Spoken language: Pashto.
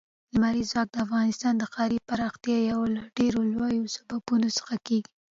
لمریز ځواک د افغانستان د ښاري پراختیا یو له ډېرو لویو سببونو څخه کېږي.